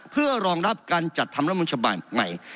เพื่อรองรับการจัดทำรัฐมนต์ฉบับใหม่